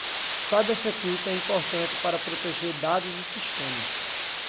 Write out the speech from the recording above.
Cybersecurity é importante para proteger dados e sistemas.